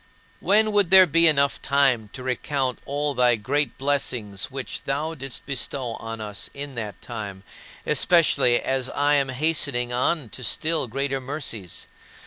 When would there be enough time to recount all thy great blessings which thou didst bestow on us in that time, especially as I am hastening on to still greater mercies?